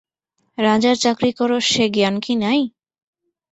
রাজার চাকরি কর সে জ্ঞান কি নাই?